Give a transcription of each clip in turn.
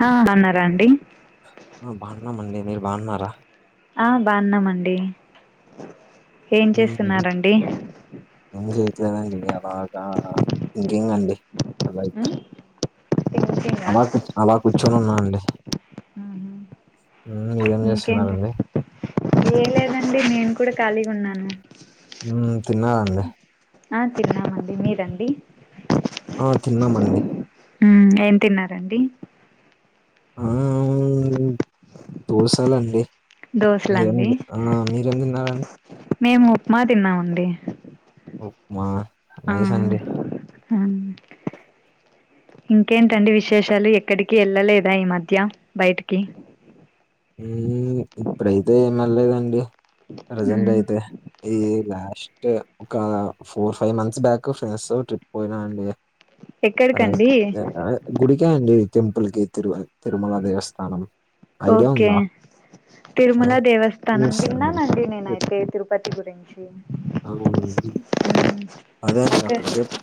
హా అన్నారా అండి ఆ బాగున్నామండి మీరు బాన్నారా? ఆ బాన్నామండి ఏం ఉమ్, చేస్తున్నారండి? ఏం చేయత్తలేదండి అలాగా థింకింగ్ అండి లైక్ థింకింగా అలా అలా కూర్చొని ఉన్నా అండి ఉమ్, మీరేం ఇంకేంటి చేస్తున్నారండి ఏ లేదండి నేను కూడా ఖాళీగా ఉన్నాను ఉమ్ తిన్నా అండి ఆ తిన్నామండి మీరండి? ఆ తిన్నామండి ఉమ్ ఏం తిన్నారండి? ఆ దోసెలండి దోశలండి ఎంగ్ ఆ మీరెం తిన్నారండి? మేము ఉప్మా తిన్నామండి ఉప్మా నైస్ అండి హ్ము్ ఇంకేంటండి విశేషాలు ఎక్కడికి వెళ్ళలేదా ఈ మధ్య బయటికి ఉమ్ ఇప్పుడైతే ఏమెల్లేదండి ప్రజెంట్ మ్మ్ అయితే ఈ లాస్ట్ ఒక four five months back friends తో ట్రిప్ పోయినా అండి లైక్ ఎక్కడికండి గుడికే అండి టెంపుల్ కి తిరు తిరుమల దేవస్థానం ఐడియా ఓకే ఉందా? తిరుమల దేవస్థానం ఎస్ విన్నానండి నేనైతే తిరుపతి గురించి అవును ఉమ్ అదే నా [inaudible] క్రికెట్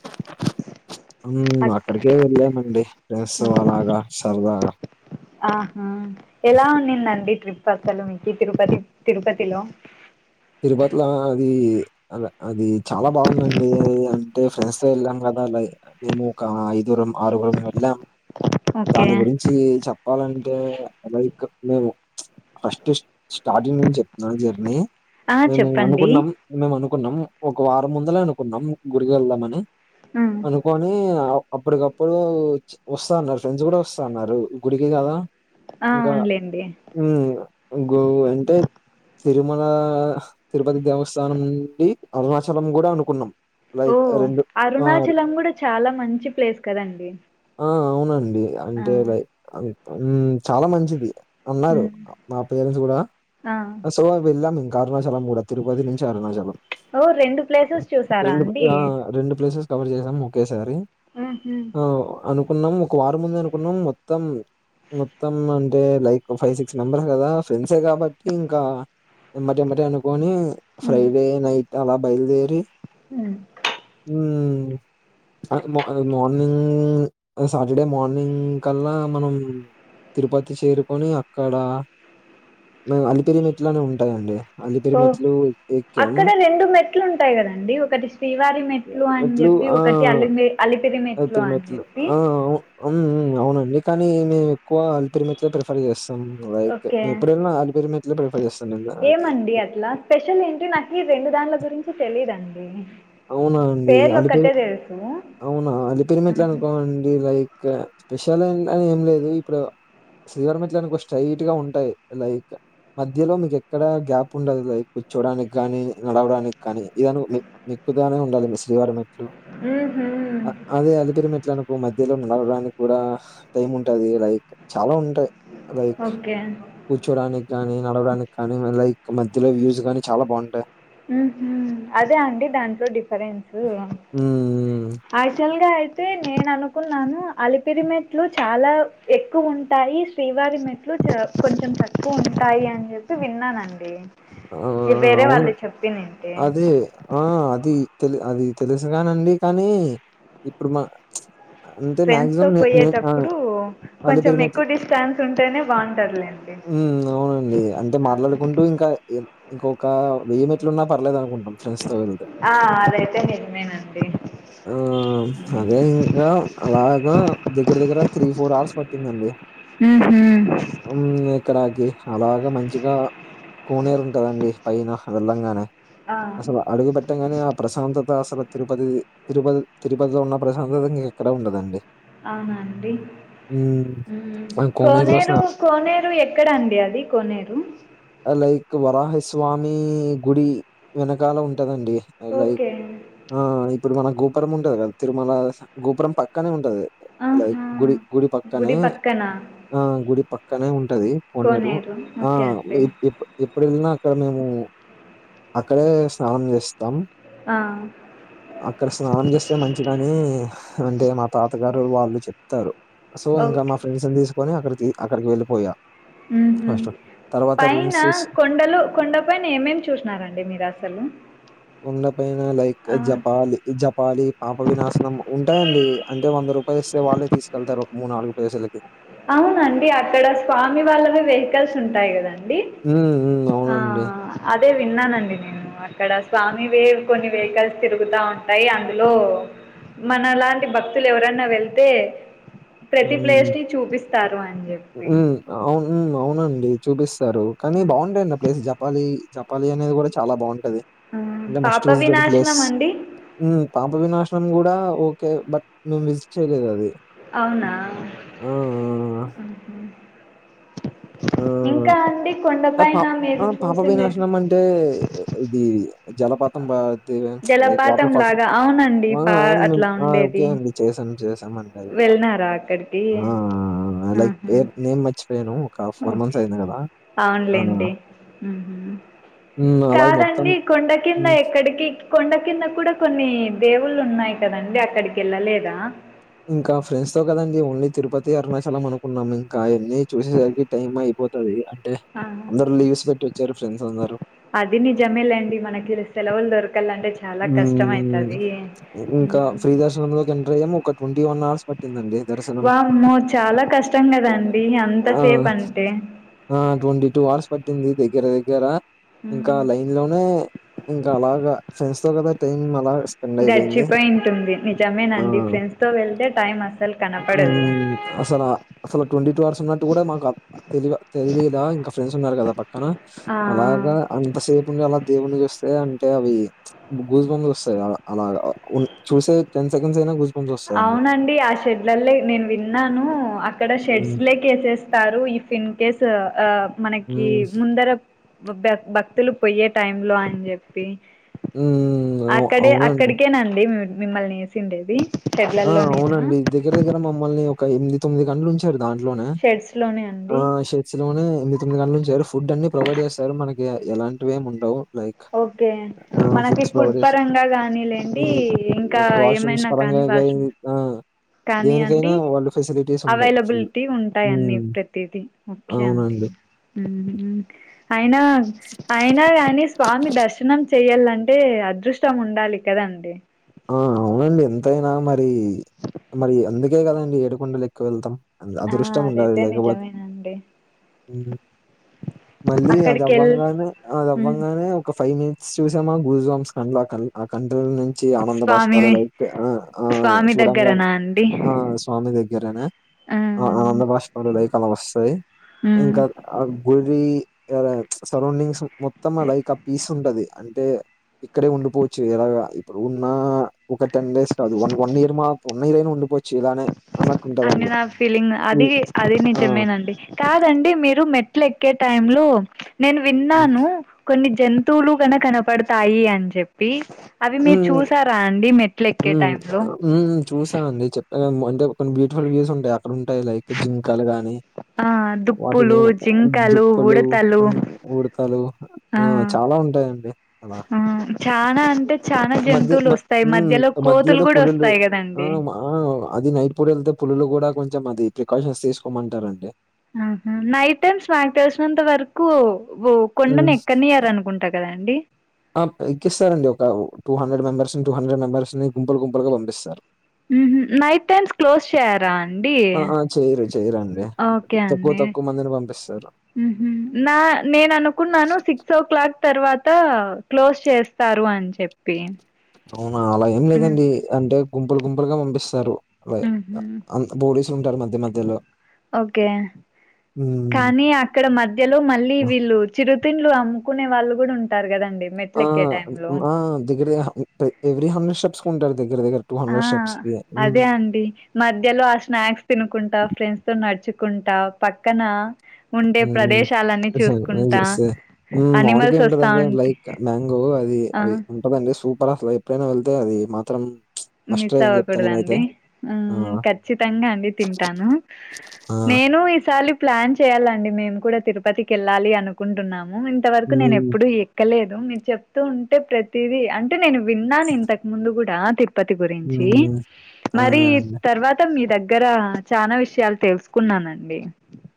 ఉమ్ అక్ అక్కడికే వెళ్ళానండి ఫ్రెండ్సో అలాగా సరదాగా ఆహా ఎలా ఉంనిందండి ట్రిప్ అసలు మీకు తిరుపతి తిరుపతిలో తిరుపతిలో ఆ అది అలా అది చాలా బాగుందండి అంటే ఫ్రెండ్స్ తో వెళ్ళాం కదా లై మేము ఐదుగురం ఆరుగురం వెల్లాం ఓకే దాని గురిం వచ్చి చెప్పాలంటే లైక్ మేము ప్చ్ ఫస్ట్ స్టార్టింగ్ నుంచి చెప్తున్నా జర్నీ ఆ మేము చెప్పండి అనుకున్నాం మేము అనుకున్నాం ఒక వారం ముందలే అనుకున్నాం గుడికి వెళ్దామని ఉమ్, అనుకోని అప్ అప్పటికప్పుడు వస్తాన్నారు ఫ్రెండ్స్ కూడా వస్తాన్నారు గుడికి కదా ఆ ఇంకా అవున్లేండి ఉమ్ గో అంటే తిరుమ లా తిరుపతి దేవస్థానం నుండి అరుణాచలం కూడా అనుకున్నాం ఓ లైక్ రెండు ఆ అరుణాచలం కూడా చాలా మంచి ప్లేస్ కదండి ఆ అవునండి ఆ అంటే లైక్ హ్మ్ చాలా మంచిది ఉన్నారు ఉమ్, మా పేరెంట్స్ కూడా ఆ సో వెళ్ళాలి ఇంకా అరుణాచలం కూడా తిరుపతి నుంచి అరుణాచలం ఓ రెండు ప్లేసెస్ చూసారా అండి ఆ రెండు ప్లేసెస్ కవర్ చేసాం ఒకేసారి ఉహు ఆ అనుకున్నాం ఒక వారం ముందే అనుకున్నాం మొత్తం మొత్తం అంటే లైక్ ఫైవ్ సిక్స్ మెంబర్స్ కదా ఫ్రెండ్సే కాబట్టి ఇంకా ఎమ్మటేమ్మటే అనుకొని ఫ్రైడే నైట్ అలా బయలుదేరి హ్మ్ హ్మ్ మార్నింగ్ సాటర్డే మార్నింగ్ కల్లా మనం తిరుపతి చేరుకొని అక్కడ అలిపిరిమెట్లని ఉంటాయండి అలిపిరి ఓ మెట్లు ఎక్కాం. అక్కడ రెండు మెట్లు ఉంటాయి కదండి ఒకటి శ్రీవారి మెట్ మెట్లు అని చెప్పి ఒకటి అలి అలిపిరి మెట్లు అని చెప్పి అవును అవునండి కానీ మేము ఎక్కువ అలిపిరమెట్లే ప్రిఫర్ చేస్తాం అలా అయితే ఓకే ఎప్పుడన్నా అలిపిరి మెట్లే ప్రిఫర్ చేస్తాం ఏమండి అట్లా స్పెషల్ ఏంటి నాకు ఈ రెండు దారుల గురించి తెలిదండి అవునా అండి అలి పెరు అవునా అలి పెరిమిట్లు అంటావండి లైక్ స్పెషల్ అని ఏం లేదు ఇప్పుడు శ్రీవారి మెట్ల అనుకో స్ట్రైట్ గా ఉంటాయి లైక్ మధ్యలో మీకు ఎక్కడ గ్యాప్ ఉండదు లైక్ కూర్చోడానికి గాని నడవడాని కానీ ఇదను [unintelligible] గానే ఉండాలి మీ శ్రీవారి మెట్లు ఊహూ అ అదే అలిపిరి మెట్లనుకో మధ్యలో నడవడానికి కూడా టైం ఉంటాది లైక్ చాలా ఉంటాయి లైక్ ఓకే కూర్చోడానికి గాని నడవడానికి కానీ లైక్ మధ్యలో వ్యూస్ గానీ చాలా బాగుంటాయి ఊహూ అదే అండి దాంట్లో డిఫరెన్సు హ్మ్. యాక్చువల్ గా అయితే నేను అనుకున్నాను అలిపిరిమెట్లు చాలా ఎక్కువ ఉంటాయి శ్రీవారి మెట్లు చ కొంచెం తక్కువ ఉంటాయి అని చెప్పి విన్నానండి ఇది వేరే వాళ్ళు చెప్పి నండి అది ఆ అది తెలు అది తెలుసుగానండి కానీ ఇప్పుడు మా ఫ్రెండ్స్ తో పోయేటప్పుడు కొంచెం అలిపిరి మెట్లు ఎక్కువ డిస్టాన్స్ ఉంటేనే బాగుంటాదిలేండి హ్మ్ అవునండి అంటే మాట్లాడుకుంటూ ఇంకా ఇంకొక వెయ్యి మెట్లు ఉన్నా పర్లేదు అనుకుంట ఆ అదైతే నిజమేనండి హ్మ్ అదే ఇంకా అలాగా దగ్గర దగ్గర త్రీ ఫోర్ అవర్స్ పట్టిందండి ఊహూ ఇక్కడకి అలాగ మంచిగా కోనేరు ఉంటదండి పైన వెళ్లంగానే ఆ అడుగు పెట్టంగానే ఆ ప్రశాంతత అసలు తిరుపతి తిరుపతి తిరుపతిలో ఉన్న ప్రశాంతత ఇంకెక్కడ ఉండదండి అవునాండి హ్మ్. మన కోనేరులో కోనేరు స్నా కోనేరు ఎక్కడ అండి అది కోనేరు లైక్ వరాహస్వామి గుడి వెనకాల ఉంటదండి లైక్ ఓకే ఆ ఇప్పుడు మన గోపురం ఉంటది కదా తిరుమల గోపురం పక్కనే ఉంటది లైక్ ఆహా గుడి గుడి పక్కనే ఆ గుడి పక్కనే ఉంటది కొనేరు కోనేరు ఆ ఓకే అండి ఎప్పు ఎప్పుడు వెళ్ళినా అక్కడ మేము అక్కడే స్నానం చేస్తాం ఆ, అక్కడ స్నానం చేస్తే మంచిదని అంటే మా తాతగారు వాళ్ళు చెప్తారు సో ఇంకా ఓకే మా ఫ్రెండ్స్ని తీసుకొని అక్కడికి అక్కడికి వెళ్ళిపోయా మ్ హు ఫస్ట్. తర్వాత పైన రూమ్సేస్ కొండలు కొండ పైనా ఏమేమి చూసినారండి మీరు అసలు కొండపైన లైక్ ఆ, జపాలి జపాలి పాప వినాశనం ఉంటాయండి అంటే వంద రూపాయలు ఇస్తే వాళ్ళే తీసుకెళ్తారు ఒక మూడు నాలుగు ప్లేస్లకి అవునండి అక్కడ స్వామి వాళ్ళవి వెహికల్స్ ఉంటాయి కదండి మ్ ఆ ఆ అదే విన్నానండి నేను అక్కడ స్వామి వే కొన్ని వెహికల్స్ తిరుగుతా ఉంటాయి అందులో మనలాంటి భక్తులు ఎవరన్నా వెళ్తే ప్రతి ప్లేస్ హ్మ్. ని చూపిస్తారు అని చెప్పి హ్మ్. అవును అవునండి చూపిస్తారు కానీ బాగుంటయండి ప్లేస్ జపాలి జపాలి అనేది కూడా చాలా బాగుంటది ఆ, అంటే మస్ట్ పాప విజిటబుల్ ప్లేస్ వినాశనం అండి మ్ పాప వి నాశనం కూడా ఓకే బట్ మేము విజిట్ చేయలేదు అది అవునా ఆ ఆ! ఆ! ఇంకా అండి పా కొండపైన ఆ మీరు పాప చూసిండేటి వినాశనం అంటే ఇది జలపాతం బా లైక్ జలపాతం వాటర్ ఫాల్స్ లాగా అవునండి పా అట్లా ఓకే ఉండేది అండి చేసాం చేసాం మండి అదికూడా వెళ్ళినారా అక్కడికి ఆ లైక్ ఆహా పేరు నేను మర్చిపో యను ఒక ఫోర్ మంత్స్ అయింది కదా అవునులేండి హ్మ్. అలాగే మొత్తం కదండి కొండ కింద హ్మ్. ఎక్కడికి కొండ కింద కూడా కొన్ని దేవుళ్ళు ఉన్నాయి కదండి అక్కడికేళ్ళలేదా ఇంకా ఫ్రెండ్స్ తో కదండి ఓన్లీ తిరుపతి అరుణాచలం అనుకున్నాము ఇంకా అవన్నీ చూసేసరికి టైం అయిపోతది అంటే ఆ అందరూ లీవ్స్ పెట్టి వచ్చారు ఫ్రెండ్స్ అందరు అది నిజమేలేండి మనకి సెలవులు దొరకాలంటే చాలా హ్మ్. కష్టమైతాది ఆడ ఎం ఒక ట్వంటీ వన్ ఆర్స్ పట్టిందండి దర్శ వామ్మో చాలా కష్టం కదండి ఆ అంతసేపు అంటే ఆ ట్వంటీ టూ అవర్స్ పట్టింది దగ్గర దగ్గర ఇంకా లైన్ లోనే ఇంకా అలాగా ఫ్రెండ్స్ తో కదా టైమ్ అలా స్పెండ్ అయిపోయింది గడిచిపోయి ఉంటుంది ఆ నిజమేనండి ఫ్రెండ్స్ తో వెళ్తే టైం అస్సలు కనపడదు మ్మ్ అసలు అసలు ట్వంటీ టూ అవర్స్ ఉన్నట్టు కూడా మాకు తెలి తెలిదా ఇంకా ఫ్రెండ్స్ ఉన్నారు కదా పక్కన ఆ అలాగా అంతసేపు ఉండి అలా దేవుని చూస్తే అంటే అవి గూస్ బంప్స్ వస్తాయి అలాగా చూసే టెన్ సెకండ్స్ అయినా గూస్ బంప్స్ వస్తాయండి అవునండి ఆ షెడ్లల్లో నేను విన్నాను అక్కడ షెడ్స్ మ్మ్ లేకేసేస్ తారు ఇఫ్ ఇన్ కేస్ ఆ మనకి మ్మ్ ముందర బ భక్తులు పొయ్యే టైం లో అని చెప్పి హ్మ్. అవు అక్కడే అవునండి. అక్కడికేనండి మిమ్మల్ని వేసిండేది ఆ షెడ్లలోనేనా అవునండి దగ్గర దగ్గర మమ్మల్ని ఒక ఎనిమిది తొమ్మిది గంట లుంచారు దాంట్లోనే షెడ్స్ లోనే ఆ అండి అలోనే ఎనిమిది తొమ్మిది గంటలు ఉంచారు ఫుడ్ అన్ని ప్రొవైడ్ చేస్తారు మనకి ఎలాంటివేమి ఉండవు లైక్ ఓకే ఆ మనకి ఫుడ్స్ ఫుడ్ ప్రొవైడ్ చేస పరంగా కానీలేండి ఇంకా వాష్రూమ్స్ ఏమైనా పరంగా కానీ వాష్రూమ్ ఆ కానీ అండి దేనికైనా వాళ్ళు ఫెసిలిటీస్ ఉంటాయి ఫుల్. అవైలబిలిటీ ఉంటాయి అన్నీ హ్మ్. ప్రతీది ఓకే అండి అవునండి. మ్మ్ అయినా అయినా కానీ స్వామి దర్శనం చెయాలంటే అదృష్టం ఉండాలి కదండి ఆ అవునండి ఎంతైనా మరి మరి అందుకే కదండి ఏడుకొండలు ఎక్కి వెళ్తాం ఆ అదృష్టం ఉండాలి అదైతే లేకపో నిజమేనండి మళ్ళీ అది అక్కడికి వెళ్ అవ్వంగానే అది అవ్వంగానే ఒక ఫైవ్ మినిట్ చూసామా గూస్బోంబ్స్ కన్ల ఆ ఆ కంటి నీ వచ్చి ఆనంద స్వామి బాష్పాలు లైక్ ఆ ఆ స్వామి చూడంగానే దగ్గరనా అండి ఆ స్వామి దగ్గరనే ఆ ఆనంద బాష్పాలు లైక్ అలా వస్తాయి మ్మ్. ఇంకా ఆ గుడి సరౌండింగ్స్ మొత్తం లైక్ ఆ పీస్ ఉంటది అంటే ఇక్కడే ఉండిపోవచ్చు ఇలాగ ఇప్పుడు ఉన్న ఒక టెన్ డేస్ కాదు వన్ వన్ ఇయర్ మా వన్ ఇయర్ అయినా ఉండిపోవచ్చు ఇలానే అన్ని అన్నట్టుంటదండి. నా ఫీలింగ్ అది హ్మ్. అది ఆ! నిజమే అండి కాదండి మీరు మెట్లు ఎక్కే టైమ్ లో నేను హ్మ్. విన్నాను కొన్ని జంతువులు కన కనపడతాయి అని చెప్పి అవి మీరు హ్మ్. చూసారా అండి మెట్లు ఎక్కే టై లో చూసా అండి చెప్ప అంటే కొన్ని బ్యూటిఫుల్ వ్యూస్ ఉంటాయి అక్కడ ఉంటాయి లైక్ జింకలు గాని ఆ వాటిని దుప్పులు ఏమన్ జింకలు దుప్పులు ఉడతలు ఉడతలు ఆ చాలా ఉంటాయండి అలా ఆ చానా అంటే చానా మధ్య జంతువులు మ వస్తాయి మధ్యలో కోతులు మధ్యలో కూడా పులులు వస్తాయి ఆ కదండి మా ఆ అది నైట్ పూట వెళ్తే పులులు కూడా కొంచెం అది ప్రికాషన్స్ తీసుకోమంటారండి ఆహా నైట్ టైమ్స్ మాకు తెలిసినంత వరకు హ్మ్. కొండను ఎక్కడినియ్యారనుకుంట కదండి ఆ ఎక్కిస్తారండి ఒక టూ హండ్రెడ్ మెంబర్స్ నీ టూ హండ్రెడ్ మెంబర్స్ ని గుంపులు గుంపులుగా పంపిస్తారు ఉహు నైట్ టైమ్స్ క్లోజ్ చేయరా అండి ఆ! ఆ! చేయరు చేయరండి. ఓకే తక్కువ అండి తక్కువ మందిని పంపిస్తారు. నా నేను అనుకున్నాను సిక్స్ ఓ క్లాక్ తర్వాత క్లోజ్ చేస్తారు అని చెప్ స్పెన్ అవునా అలా ఏం లేదండి అంటే గుంపులు గుంపులుగా పంపిస్తారు అలా ఊహు పోలీసులు ఉంటారు మధ్య మధ్యలో ఓకే హ్మ్. కానీ అక్కడ మధ్యలో మళ్ళీ ఆ! వీళ్ళు చిరుతిండ్లు అమ్ముకునే వాళ్ళు కూడా ఉంటారు కదండి ఆ మెట్లెక్కే టైంలో ఆ దగ్గర ఎవ్రీ హండ్రెడ్ స్టెప్స్ ఉంటారు దగ్గర దగ్గర ఆ స్టెప్స్‌కి. హ్మ్. అదే అండి మధ్యలో ఆ స్నాక్స్ తినుకుంటా ఫ్రెండ్స్తోనడుచుకుంటా పక్కన ఉండే హ్మ్. ప్రదేశాలన్నీ చూసుకుంటా హ్మ్. మామిడికాయ అనిమల్స్ వస్తా ఉంటదండి. ఉం లైక్ మ్యాంగో అది అవి ఉంటదండి సూపర్ అసలు ఎప్పుడైనా వెళ్తే అది మాత్రం మస్ట్ మిస్ ట్రై అని చెప్తా నేనైతే. అవ్వకూడదండి ఆ! హుమ్ ఖచ్చితంగా అండి తింటాను ఆ! నేను ఈసారి ప్లాన్ చేయాలండి మేము కూడా తిరుపతికి వెళ్ళాలి అనుకుంటున్నాము ఇంతవరకు నేను హ్మ్. ఎప్పుడు వెల్లలేదు మీరు చెప్తూ ఉంటే ప్రతిదీ అంటే నేను విన్నాను ఇంతకు ముందు కూడా తి తిరుపతి గురించి హ్మ్. మరి అదేనండి. తర్వాత మీ దగ్గర చాలా విషయాలు తెలుసుకున్నానండి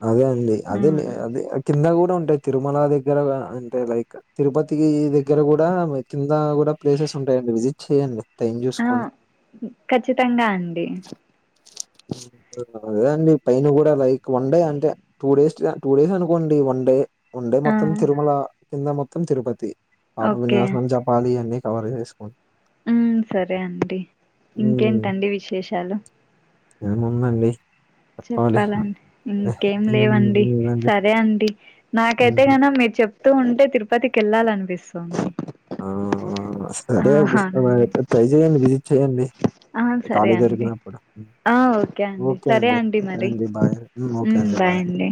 అదే అండి అదే హ్మ్. అదే కింద కూడా ఉంటాయి తిరుమల దగ్గర అంటే లైక్ తిరుపతి దగ్గర కూడా కింద కూడా ప్లేసెస్ ఉంటాయండి విజిట్ చెయ్యండి ఆ ఖచ్చితంగా అండి అదే అండి పైన కూడా లైక్ ఉండయి అంటే టూ డేస్ టూ డేస్ అనుకోండి వన్ డే వన్ డే ఆ మొత్తం తిరుమల కింద మొత్తం తిరుపతి పాప ఓకే వినాశనం జపాలి అన్నీ కవర్ చేసుకు హుమ్ సరే అండి హ్మ్. ఇంకేంటండి విశేషాలు ఏముందండి చెప్పాలి. చెప్పాలండి ఇంకేం హ్మ్. లేవండి లేదండి. సరే అండి నాకైతే హ్మ్. కన మీరు చెప్తూ ఉంటే తిరుపతికెళ్ళాలనిపిస్తుంది అవునా సరే ట్రై చేయండి విజిట్ చేయండి ఆ సరే ఖాళీ అండి దొరికినప్పుడు ఓకే అండి సరే అండి మరి హుమ్ బాయ్ అండి